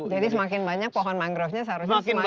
jadi semakin banyak pohon mangrove nya seharusnya semakin bagus